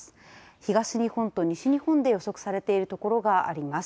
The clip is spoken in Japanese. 東日本と西日本で予測されているところがあります。